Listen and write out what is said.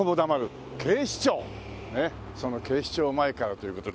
その警視庁前からという事で。